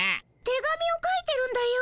手紙を書いてるんだよ